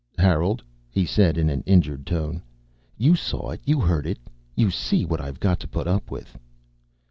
"Harold," he said in an injured tone. "You saw it. You heard it. You see what I've got to put up with."